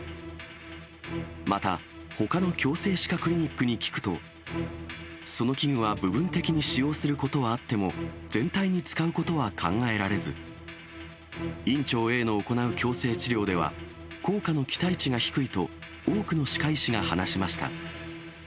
また、ほかの矯正歯科クリニックに聞くと、その器具は部分的に使用することはあっても、全体に使うことは考えられず、院長Ａの行う矯正治療では、効果の期待値が低いと、多くの歯科医師が話しました。